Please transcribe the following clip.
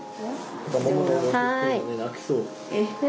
泣きそう。